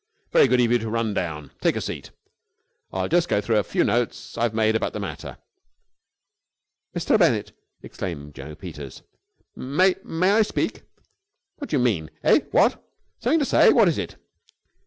"Very good of you to run down. Take a seat, and I'll just go through the few notes I have made about the matter." "Mr. Bennett," exclaimed Jno. Peters. "May may I speak?" "What do you mean? Eh? What? Something to say? What is it?"